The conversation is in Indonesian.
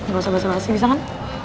gak usah berasa masih bisa kan